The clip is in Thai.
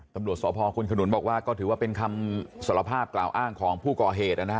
ตำรวจสพคุณขนุนบอกว่าก็ถือว่าเป็นคำสารภาพกล่าวอ้างของผู้ก่อเหตุนะฮะ